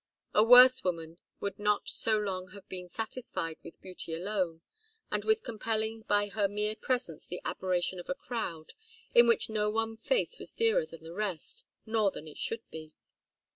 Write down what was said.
A worse woman would not so long have been satisfied with beauty alone, and with compelling by her mere presence the admiration of a crowd in which no one face was dearer than the rest, nor than it should be.